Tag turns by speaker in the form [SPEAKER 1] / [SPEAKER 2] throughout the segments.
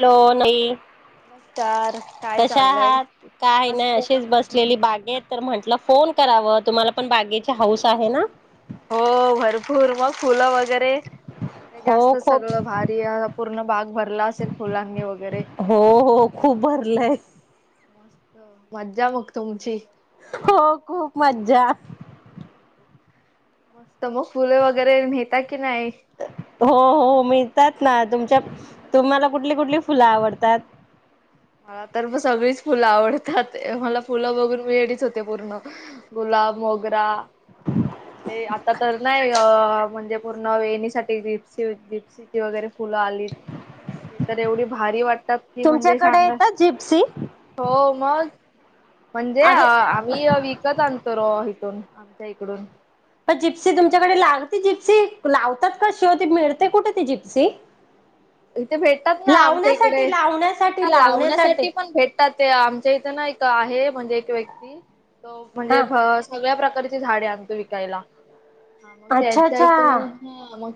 [SPEAKER 1] Hello -नही
[SPEAKER 2] नमस्कार काय
[SPEAKER 1] कश्या
[SPEAKER 2] चाललंय
[SPEAKER 1] आहात काय नाय
[SPEAKER 2] मस्त
[SPEAKER 1] अशीच बसलेली
[SPEAKER 2] तुम्ही
[SPEAKER 1] बागेत तर म्हंटल फो- फोन कराव तुम्हाला पण बागेचे हाऊस आहे ना-
[SPEAKER 2] हो भरपूर मग फुलं वगैरे आता काही
[SPEAKER 1] हो
[SPEAKER 2] जास्तच
[SPEAKER 1] खूप
[SPEAKER 2] सगळं भारी पूर्ण भाग भरला असेल फुलांनी वगैरे
[SPEAKER 1] हो हो खूप भरलंय
[SPEAKER 2] मस्त मज्जा मग तुमची
[SPEAKER 1] हो खूप मज्जा
[SPEAKER 2] मस्त मग फुले वगैरे नेहता
[SPEAKER 1] हो हो मी तर ना तुमच्या तुम्हाला कुठली कुठली फुलं आवडतात
[SPEAKER 2] मला तर सगळीच फुलं आवडतात मला फुलं बघून वीळीच होते पूर्ण ग क मोगरा ते आता तर नाही अ म्हणजे पूर्ण वेणीसाठीठीप्सिप्सीची वगैरे फ एव भारी वातात म्हण
[SPEAKER 1] तुमच्याकडे
[SPEAKER 2] सांगा
[SPEAKER 1] येतात जिप्सी
[SPEAKER 2] हो मग म्हणजे
[SPEAKER 1] अरे
[SPEAKER 2] आम्ही विकत आणतो इथून आमच्या इकडून
[SPEAKER 1] प जिप्सी तुमच्याकडे लागते जिप्सी लावतात कशी होती मिळते कुठे त जिप्सी
[SPEAKER 2] इथे भेटतात ना आमच्या इकडे
[SPEAKER 1] लावण्यासाठी
[SPEAKER 2] ह
[SPEAKER 1] लावण्यासाठी
[SPEAKER 2] लावण्यासाठी पण भेटतात ते आमच्या इथे ना आहे म्हणजे एक व्यक्ती
[SPEAKER 1] हा
[SPEAKER 2] म्हणजे सगळ्या प्रकार झाडे आण विकायला मग
[SPEAKER 1] अच्छा
[SPEAKER 2] त्यांच्या
[SPEAKER 1] अच्छा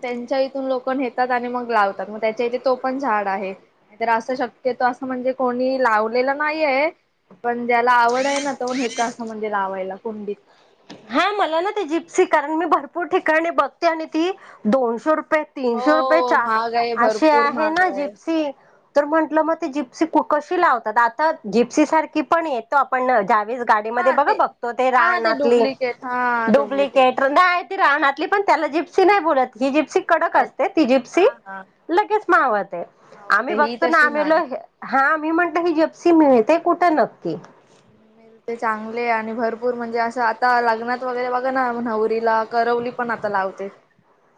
[SPEAKER 2] त्यांच्या इथून लोक नेतात आणि मग लावतात त्याच्या इथे तो पण झाड आहे नाहीतर असं शक्यतो असं म्हणजे कोणी लावलेलं नाहीय पण ज्याला आवड आहे ना त हेच असं म्हणजे लावायला कोंडीत.
[SPEAKER 1] हा मला ना ती जिप्सी कारण मी भरपूर ठिकाणी बघते आणि ती दोनशे रुप तीनशे
[SPEAKER 2] हो
[SPEAKER 1] रुपयेच्या
[SPEAKER 2] महाग आहे
[SPEAKER 1] असे
[SPEAKER 2] भरपूर
[SPEAKER 1] आहे
[SPEAKER 2] महाग
[SPEAKER 1] ना जिप्सी म्हंटलं मग जिप्सी कशी लावात आ जप्सी सारखी पण येत आपण राडु्.
[SPEAKER 2] हा ते हा ते डुप्लिकेट हा डुप्लिकेट
[SPEAKER 1] राहली पण त्याला जिप्सी नाही बोलत ही जिप्सी कडक
[SPEAKER 2] पाहि
[SPEAKER 1] असते ती
[SPEAKER 2] हा
[SPEAKER 1] जिप्सी
[SPEAKER 2] हा
[SPEAKER 1] लगेच मावत आहे
[SPEAKER 2] मावलते
[SPEAKER 1] आम्ही
[SPEAKER 2] ही
[SPEAKER 1] बघतो ना
[SPEAKER 2] तशी नाही.
[SPEAKER 1] आमहीला हा मी म्हणत हि ज ी मिळते कुठं नक्की
[SPEAKER 2] ते चांगले आणि भरपूर म्हणजे असं आता लग्नात वगैरे बघा ना नवरीला तरवली पण आता लावते.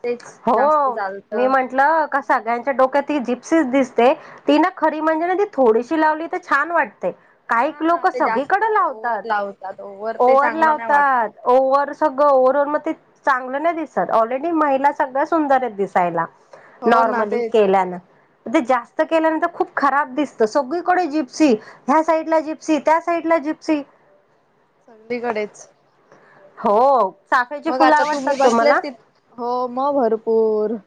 [SPEAKER 2] तेच जास्त
[SPEAKER 1] हो
[SPEAKER 2] चालत.
[SPEAKER 1] मी म्हंटलं कसा गयच्या डोक्यात जी दिसते ती ना खरी म्हणजे ती थोडीशी लावली तर छान वाटते. काही
[SPEAKER 2] हा हा
[SPEAKER 1] लोक
[SPEAKER 2] ते जास्त
[SPEAKER 1] सगळीकडे
[SPEAKER 2] ओव्हर
[SPEAKER 1] लावतात.
[SPEAKER 2] लावतात ओव्हर ते
[SPEAKER 1] ओवर्ह
[SPEAKER 2] चांगलं नाही वाटत.
[SPEAKER 1] लावतात ओवर्ह सगळं ओव्ह ओ मग ते चांगलं नाही दिसत ऑलरेडी महिला सगळ्या सुंदर आहेत दिसायला.
[SPEAKER 2] हो ना
[SPEAKER 1] नॉर्मली
[SPEAKER 2] तेच
[SPEAKER 1] केल्यान. ते जास्त केल्यानंतर खूप खराब दिसत सगळीकडे जिप्सी ह्या साईड ला जिप्सी त्या साईड. जिप्सी
[SPEAKER 2] सगळीकडेच.
[SPEAKER 1] हो. चाफ्याची
[SPEAKER 2] मग
[SPEAKER 1] फुलं
[SPEAKER 2] आता
[SPEAKER 1] आवडतात
[SPEAKER 2] तुम्ही
[SPEAKER 1] तुम्हाला
[SPEAKER 2] बसलेत ति हो मग भरपूर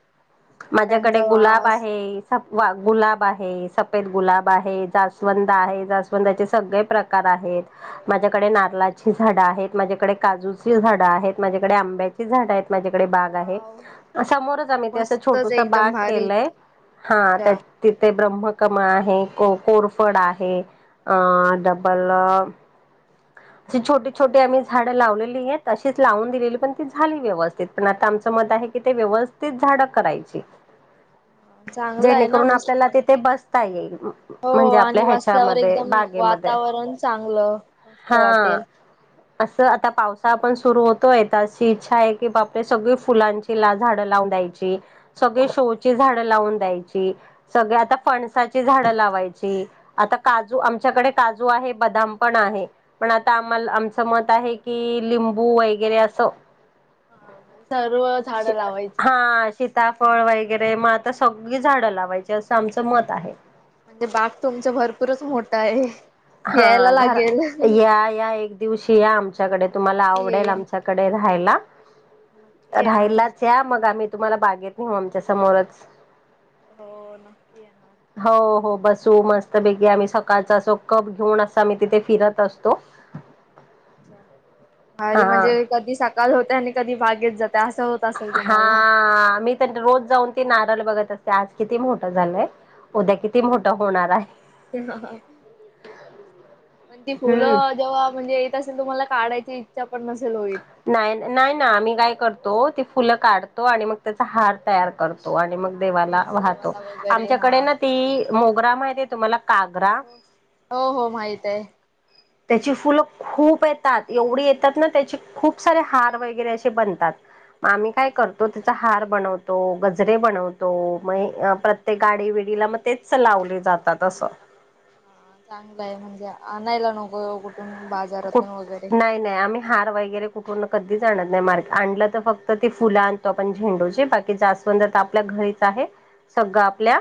[SPEAKER 1] माझ्याकडे
[SPEAKER 2] त्यांचा
[SPEAKER 1] गुलाब
[SPEAKER 2] वास
[SPEAKER 1] आहे. वा गुलाब आहे सफेद गुलाब आहे जास्वंद आहे जास्वंदाचे सगळे प्रकार आहे. माझ्याकडे नारलाची झाडं आहेत माझ्याकडे काजूची झाडं आहेत माझ्याकडे आंब्याची झाडं आहेत. माझ्याकडे बाग आहे
[SPEAKER 2] वाव
[SPEAKER 1] समोर आम्ही
[SPEAKER 2] मस्तच
[SPEAKER 1] रीकाम
[SPEAKER 2] एकदम भारी
[SPEAKER 1] आहे.
[SPEAKER 2] अच्छा
[SPEAKER 1] ब्रम्मकम आहे कोरफड आहे अ डबल [unintelligible] ह. जी छोटी छोटी आम्ही झाडं लावलेली आहेत तशीच लावून दिलेली पण ती झाली व्यस्थित पण आता आमचं मत आहे. काय की ते व्यवस्थित झाड करायची.
[SPEAKER 2] चांगलं आहे ना
[SPEAKER 1] जेणेकरून
[SPEAKER 2] मस्त
[SPEAKER 1] आपल्याला
[SPEAKER 2] आहे.
[SPEAKER 1] तिथे बसता येईल
[SPEAKER 2] हो
[SPEAKER 1] म्हणजे आपल्या ह्याच्यामध्ये बागेमध्ये.
[SPEAKER 2] कारण चांगलं मस्त
[SPEAKER 1] हा
[SPEAKER 2] वाटेल.
[SPEAKER 1] असं आता पावसाळा पण सुरु होतोय तर अशी इच्छा आहे की बापरे सगळी फुलांची ला झाडं लावून द्यायची सगळे शोची झाड लावून द्यायची सगळ आता फणसाची झाड लावाय ची आता काजू आमच्याकडे काजू आहे बदाम पण आहे. पण आता आम्हाला आमचं मत आहे की लिंबू वैगेरे असं.
[SPEAKER 2] हा म्हणजे सर्व झाडं लावायची.
[SPEAKER 1] ता फळ वैगेरे मग आता सगळी झाडं लावायची असं आमचं मत आहे.
[SPEAKER 2] म्हणजे बाग तुमच भरपूरच मोठ्ठ आहे.
[SPEAKER 1] हा
[SPEAKER 2] यायला
[SPEAKER 1] घर
[SPEAKER 2] लागेल
[SPEAKER 1] या या एक दिवशी या आमच्याकडे तुम्हाला
[SPEAKER 2] नक्की
[SPEAKER 1] आवडेल
[SPEAKER 2] येईन
[SPEAKER 1] आमच्याकडे राहायला.
[SPEAKER 2] नक्की येणार.
[SPEAKER 1] राहिलाच या मग आम्ही तुम्हाला बागेत नेहू आमच्या समोरच.
[SPEAKER 2] हो नक्की येणार.
[SPEAKER 1] हो हो बसू मस्तपैकी आम्ही सकाळचा असो कप घेऊन अस आम्ही तिथे फिरत असतो.
[SPEAKER 2] अच्छा भारी
[SPEAKER 1] हा.
[SPEAKER 2] म्हणजे कधी सकाळ होत आणि कधी बागेत जाते असं होत असेल तुम्हाला.
[SPEAKER 1] हा मी तर रोज जाऊन ते ना. बघत असते आज किती मोठं झालंय उद्या किती मोठं होणार हाय.
[SPEAKER 2] पण अ ह पण ती
[SPEAKER 1] हम्म.
[SPEAKER 2] फुलं जेव्हा म्हणजे येत असेल तुम्हाला काढायची इच्छा पण नसेल होईल.
[SPEAKER 1] नाई न नाई ना आम्ही काय करतो ती फुलं काढतो आणि मग त्याचा हार तयार कर. तो आणि मग
[SPEAKER 2] हा
[SPEAKER 1] देवाला वाहतो
[SPEAKER 2] वगैरे
[SPEAKER 1] आमच्याकडे
[SPEAKER 2] हा.
[SPEAKER 1] ना ती मोगरा माहितिये तुम्हाला कागरा
[SPEAKER 2] हो हो हो माहिताय.
[SPEAKER 1] त्याची फुलं खूप येतात एवढी येतात ना त्याचे खूप सारे हार वैगरे असे बनतात. आम्ही काय
[SPEAKER 2] मस्त.
[SPEAKER 1] करतो, त्याचा हार बनव तो गजरे बनवतो, म हे प्रत्येक गाडी विडीला मग तेच लावले जातात असं.
[SPEAKER 2] हा चांगलंय म्हणजे, आणायला नको कुठून?
[SPEAKER 1] कुठ
[SPEAKER 2] बाजारातून वगैरे.
[SPEAKER 1] नाय नाय, आम्ही हार वैगेरे कुठ पूर्ण कधीच आणत नाय मार आणल, तर फक्त ती फुलं आणतो आपण झेंडूची बाकी जास्वंद तर आपल्या घ रिच आहे सगळं आपल्या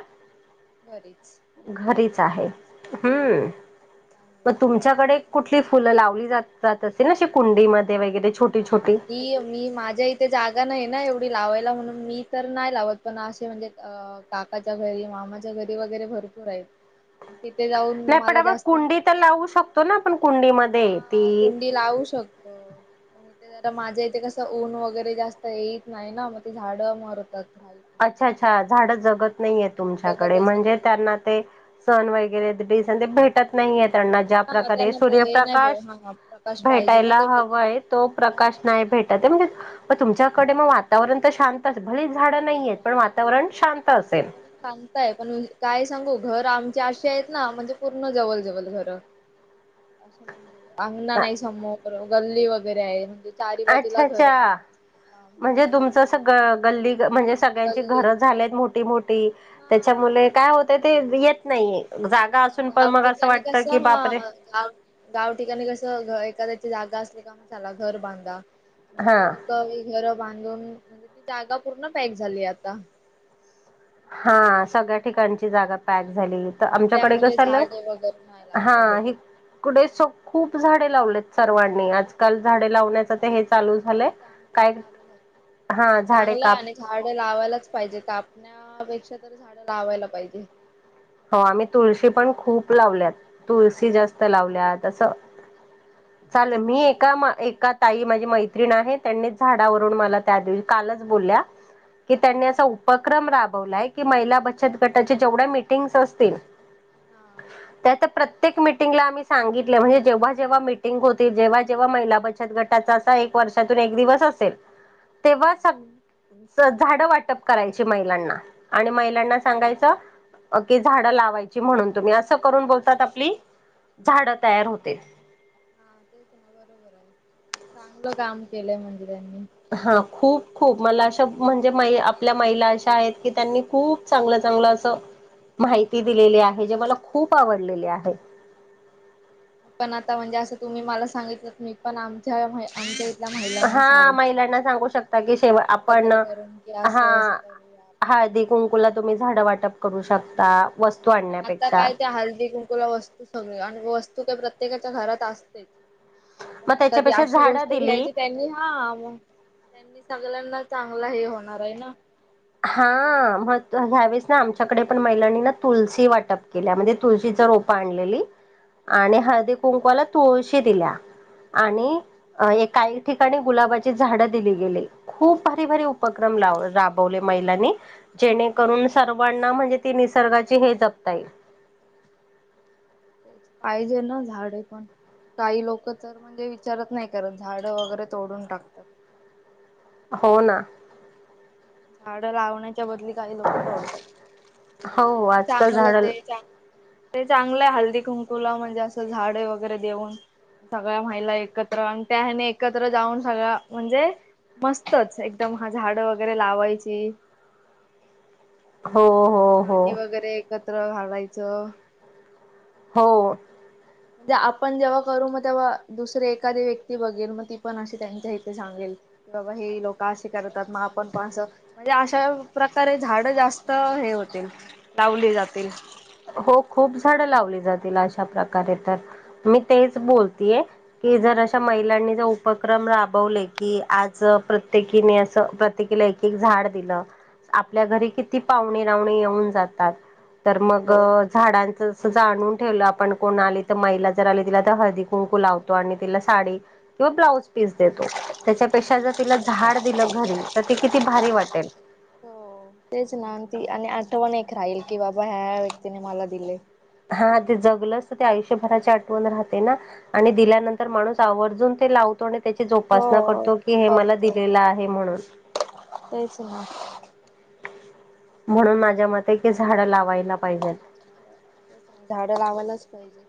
[SPEAKER 2] घरीच म्हणजे
[SPEAKER 1] घरीच
[SPEAKER 2] टेन्शन
[SPEAKER 1] आहे
[SPEAKER 2] काही नसत.
[SPEAKER 1] हम्म मग तुमच्याकडे कुठली फुलं लावली जातात, तसे ना कुंडीमध्ये? वगैरे छोटी
[SPEAKER 2] ह
[SPEAKER 1] छोटी
[SPEAKER 2] मी- मी माझ्या इथे जागा नाही ना एवढी लावायला म्हणून मी तर नाय लावत पण असे म्हणजे अ काकाच्या घरी मामाच्या घरी वगैरे भर [inaudible]
[SPEAKER 1] [inaudible]
[SPEAKER 2] तिथे जाऊन
[SPEAKER 1] नाही पण
[SPEAKER 2] मला
[SPEAKER 1] आपण
[SPEAKER 2] जास्त होत.
[SPEAKER 1] कुंडी तर लावू शकतो ना आपण
[SPEAKER 2] हा
[SPEAKER 1] कुंडीमध्ये
[SPEAKER 2] हा
[SPEAKER 1] ती
[SPEAKER 2] कुंडी लावू शकतो. ते जरा माझ्या इथे कसं ऊन वगैरे जास्त येईत नाही ना मग ते झाड मरतात. राहीत नाही.
[SPEAKER 1] अच्छा अच्छा झाड जगत नाहीयेत तुमच्याकडे
[SPEAKER 2] जगतच
[SPEAKER 1] म्हणजे
[SPEAKER 2] नाही.
[SPEAKER 1] त्यांना ते सण वै गरे बेसन भेटत नाईये त्यांना ज्या
[SPEAKER 2] हा
[SPEAKER 1] प्रकारे
[SPEAKER 2] त्यांना हे नाही
[SPEAKER 1] सूर्यप्रकाश
[SPEAKER 2] भे हा प्रकाश पाहिजे ना
[SPEAKER 1] भेटायला
[SPEAKER 2] ते भेटत
[SPEAKER 1] हवंय
[SPEAKER 2] नाही.
[SPEAKER 1] तो प्रकाश नाही भेटत त्यामुळं ते म तुमच्याकडे म वातावरण तर शांतच भलेही झाड
[SPEAKER 2] वातावरण शांताय पण कायच सांगू घर आमचे असे आहेत ना म्हणजे पूर्ण जवल-जवल घर अस म्हणजे अंगणा नाई समोर गल्ली वगैरे आहे म्हणजे चारी
[SPEAKER 1] अच्छा!
[SPEAKER 2] बाजूला घर हा
[SPEAKER 1] अच्छा!
[SPEAKER 2] म्हणून
[SPEAKER 1] म्हणजे तुमचं असं ग गल्ली म्हणजे सगळ्यांची
[SPEAKER 2] गल्लीत
[SPEAKER 1] घर
[SPEAKER 2] वगैरे
[SPEAKER 1] झालेत मोठी-मोठी
[SPEAKER 2] हा
[SPEAKER 1] त्याच्यामुले काय होत ते येत नाहीये जागा
[SPEAKER 2] ह
[SPEAKER 1] असून पण
[SPEAKER 2] गाव
[SPEAKER 1] मग असं
[SPEAKER 2] ठिकाणी
[SPEAKER 1] वाटतं
[SPEAKER 2] कस
[SPEAKER 1] की
[SPEAKER 2] हा
[SPEAKER 1] बापरे
[SPEAKER 2] गाव-गाव ठिकाणी कस एखाद्याची जागा असते ठिक आहे चला घर बांधा
[SPEAKER 1] हा
[SPEAKER 2] सगळे लोक ही घर बां धून म्हणजे ती जागा पूर्ण पॅक झाली आता.
[SPEAKER 1] हा सगळ्या ठिकाणची जागा पॅक झाली
[SPEAKER 2] म्हणून
[SPEAKER 1] आमच्याकडे
[SPEAKER 2] त्यामुळे
[SPEAKER 1] कस आलं
[SPEAKER 2] झाडे वगैरे नाही
[SPEAKER 1] हा
[SPEAKER 2] लावायला भेटत.
[SPEAKER 1] इकडे स खूप झाडे लावलेत सर्वांनी आजकाल झाडे लावण्याचा ते हेच. लय झाल काय हा झाडे
[SPEAKER 2] चांगलंय
[SPEAKER 1] काप
[SPEAKER 2] आणि झाड लावायलाच पाहिजे कापण्यापेक्षा. तर झाडं लावायला पाहिजे.
[SPEAKER 1] हो, आम्ही तुळशी पण खूप लावल्यात तुळशी जास्त लावल्या तसं ताल
[SPEAKER 2] फुलंच
[SPEAKER 1] मी
[SPEAKER 2] पाहिजे
[SPEAKER 1] एका
[SPEAKER 2] चांगले
[SPEAKER 1] एका ताई माझी
[SPEAKER 2] पवित्र
[SPEAKER 1] मैत्रीण आहे, त्यांनी झाडावर त्या दिवशी कालच बोलल्या की, त्यांनी
[SPEAKER 2] हा
[SPEAKER 1] असा उपक्रम राबव वलाय की महिला बचत गटाच्या जेवढ्या मीटिंग्स असतील
[SPEAKER 2] हा
[SPEAKER 1] त्याचे प्रत्येक प्रत्येक मिटिंगला आम्ही सांगितलं म्हणजे, जेव्हा जेव्हा मिटिंग होते, जेव्हा जेव्हा महिला बचत गटाचा असा एक वर्षातून एक दिवस असेल. तेव्हा
[SPEAKER 2] हा.
[SPEAKER 1] सग झाडं वाटप करायची, महिलांना आणि महिलांना सांगायचं कि
[SPEAKER 2] ते
[SPEAKER 1] झाडं
[SPEAKER 2] झाड
[SPEAKER 1] लावायची, म्हणून तुम्ही असं करून बोलतात आपली झाडं तयार होते.
[SPEAKER 2] हा तेच ना बरोबर आहे, चांगलं काम केलंय म्हणे.
[SPEAKER 1] हा खूप खूप मला असे म्हणजे महि आपल्या महिला अशा आहेत की, त्यांनी खूप चांगलं चांगलं असं माहिती दिलेली आहे, जे मला खूप आवडलेले आहे.
[SPEAKER 2] पण आता म्हणजे असं तुम्ही मला सांगितलं मी पण आमच्या आमच्या इथल्या महिलांना
[SPEAKER 1] हा
[SPEAKER 2] सारू
[SPEAKER 1] महिलांना सांगू शकता, की शेव आपण
[SPEAKER 2] एकत्र करून की
[SPEAKER 1] हा
[SPEAKER 2] असं असं
[SPEAKER 1] हा.
[SPEAKER 2] करूया आपण पण
[SPEAKER 1] हळदी कुंकूला तुम्ही झाडं वाटप करू शकता. वस्तू
[SPEAKER 2] ते ना आता
[SPEAKER 1] आणण्यापेक्षा
[SPEAKER 2] काय ते हळदी कुंकुला वस्तू सगळे आणि वस्तू तू का प्रत्येकाच्या घरात असतेच. आपण
[SPEAKER 1] मग
[SPEAKER 2] एखादी
[SPEAKER 1] त्याच्यापेक्षा
[SPEAKER 2] अशी
[SPEAKER 1] झाडं
[SPEAKER 2] गोष्ट
[SPEAKER 1] दिली
[SPEAKER 2] घ्यायची त्यांनी हा मग त्यांनी सगळ्यांना चांगला हे होणार आहे ना.
[SPEAKER 1] हा म ह्यावेेळेस ना आमच्याकडे पण महिलांनी ना तुलसी वाटप केल्या म्हणजे तुलसी. रोप आणलेली आणि हळदी कुंकुवाला तुळशी दिल्या. आणि काही ठिकाणी गुलाबाची झाडं दिली गेली खूप भारी भारी उपक्रम. राबवले महिलांनी जेणेकरून सर्वांना. निसर्गाची हे जपता येईल.
[SPEAKER 2] पाहिजे ना झाडे पण. काही लोक तर म्हणजे विचारत नाही करत झाडं वगैरे तोडून टाकतात.
[SPEAKER 1] हो ना.
[SPEAKER 2] झाडं लावण. त्याच्या बद काही लोक तोडतात
[SPEAKER 1] हो आजकाल
[SPEAKER 2] चांगलं
[SPEAKER 1] झाड
[SPEAKER 2] ते चागलं. ते चांगलं आहे हल्दी कुंकूला म्हणजे असं झाडे वगैरे देऊन. सगळ्या महिला एकत्र आणि त्याने एकत्र जाऊन सगळ्या म्हणजे. मस्तच एकदम हा झाड वगैरे लावायची.
[SPEAKER 1] हो हो हो.
[SPEAKER 2] चत्र घालायचं.
[SPEAKER 1] हो.
[SPEAKER 2] म्हणजे आपण जेव्हा करू मग तेव्हा दुसरे एखादी व्यक्ती बघेल मग ती पण अशी त्यांच्या इथे सांगेल. बाबा हे लोके करतात मग आपण पण अस म्हणजे अशा प्रकारे झाड जास्त हे होतील लावली जातील.
[SPEAKER 1] हो खूप झाड लावली जातील अशा प्रकारे तर मी तेच बोलतीय. कि जर अशा महिलांनी ज उपक्रम राबवले की आज प्रत्येकीने असं प्रत्येकी. झाड दिलं आपल्या घरी किती पाहणे रावणी येऊन जातात तर मग.
[SPEAKER 2] हो
[SPEAKER 1] झाडांच अस जाणून ठेवलं आपण कोण आली तर महिला जर आली तिला तर हळदी कुंकू लावतो आणि तुम्ही तिला साडी किंवा ब्लाउज पीस देतो त्यापेक्षा तिला झाड दिल घरी तर ते. किती भारी वाटेल.
[SPEAKER 2] हो तेच ना ती आणि आठवण एक राहील की बाबा ह्या व्यक्तीने मला दिले.
[SPEAKER 1] हा ते जगल तर ते आयुष्यभराची आठवण राहते ना आणि दिल्यानंतर माणूस आवर्जून ते लाव. त्याची जोपासना
[SPEAKER 2] हो
[SPEAKER 1] करतो की हे मला
[SPEAKER 2] करतो
[SPEAKER 1] दिलेलं आहे म्हणून.
[SPEAKER 2] तेच ना
[SPEAKER 1] म्हणून माझ्या मते आहे की झाड लावायला पाहिजेत.
[SPEAKER 2] ते झाडं लावायलाच पाहिजे.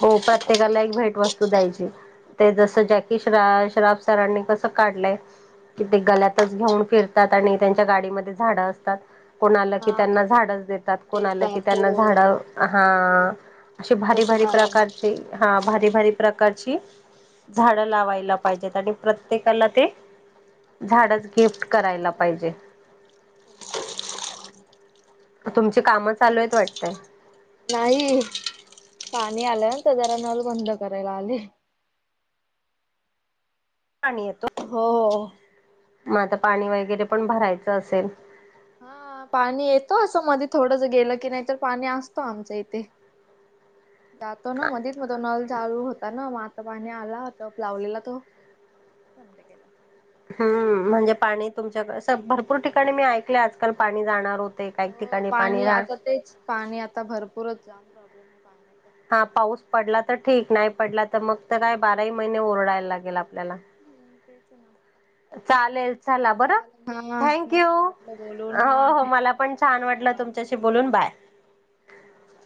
[SPEAKER 1] हो प्रत्येकाला एक भेटवस्तू द्यायची ते जसं जॅकी श श्राप सरांनी कसं काढलंय. कि ते गल्यातच घेऊन फिरतात आणि त्यांच्या गाडीमध्ये झाडं असतात. कोण आलं की
[SPEAKER 2] हा
[SPEAKER 1] त्यांना झाडच देतात कोण आलं की
[SPEAKER 2] देतात
[SPEAKER 1] त्यांना
[SPEAKER 2] हो
[SPEAKER 1] झाड हा अशी भारी
[SPEAKER 2] तसं
[SPEAKER 1] भारी
[SPEAKER 2] करायला
[SPEAKER 1] प्रकारचे हा भारी भारी प्रकार प्रकार झाड लावायला पाहिजेत आणि प्रत्येकाला ते झाडच गिफ्ट करायला पाहिजे. तुमची काम चालूेत वाटतय.
[SPEAKER 2] नाही पाणी आल त जरा नळ बंद करायला आले.
[SPEAKER 1] पाणी येत.
[SPEAKER 2] हो.
[SPEAKER 1] मग आता पाणी वगैरे पण भरायचं असेल.
[SPEAKER 2] ह पाणी येतो असं मध्ये थोडं ज गेलं की नाही तर पाणी असतो आमच्या इथे. जातो ना मध्येच म न. चालू होता ना मात पाणी आला तर लावलेला तो.
[SPEAKER 1] हम्म म्हणजे पाणी तुमच्याकडे भरपूर ठिकाणी मी ऐकले आजकाल पाणी जाणार होत.
[SPEAKER 2] हो पाणी आता तेच पाणी आता भरपूरच जाम प्रॉब्लेम आहे पाण्यात.
[SPEAKER 1] हा पाऊस पडला तर ठीक नाही पडला तर मग तर काय बाराही महिने ओरडायला लागेल आपल्या नला.
[SPEAKER 2] हम्म तेच ना.
[SPEAKER 1] चालेल चला बर.
[SPEAKER 2] चालेल हा
[SPEAKER 1] थँक यू
[SPEAKER 2] मस्त वाटलं बोलून हा
[SPEAKER 1] हो हो मला पण छान वाट
[SPEAKER 2] धन्यवाद
[SPEAKER 1] तुमच्याशी बोलून बाय.
[SPEAKER 2] हा बाय.